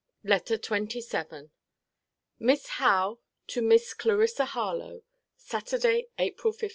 LETTER XXVII MISS HOWE, TO MIS CLARISSA HARLOWE SATURDAY, APRIL 15.